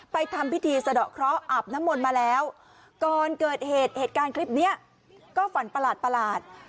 ทำพิธีสะดอกเคราะห์อาบน้ำมนต์มาแล้วก่อนเกิดเหตุเหตุการณ์คลิปเนี้ยก็ฝันประหลาด